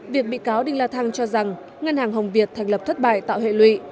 việc bị cáo đinh la thăng cho rằng ngân hàng hồng việt thành lập thất bại tạo hệ lụy